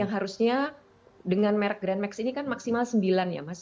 yang harusnya dengan merk grand max ini kan maksimal sembilan ya mas